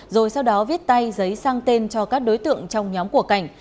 rồi sau đó viết tay giấy sang tên cho các đối tượng trong nhóm của cảnh